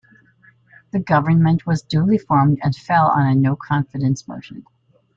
The government was duly formed and fell on a no-confidence motion.